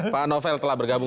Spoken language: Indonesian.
pak novel telah bergabung